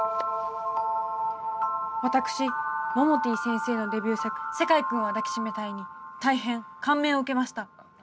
私モモティ先生のデビュー作「世界くんは抱きしめたい」に大変感銘を受けました。